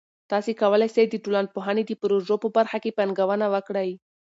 تاسې کولای سئ د ټولنپوهنې د پروژه په برخه کې پانګونه وکړئ.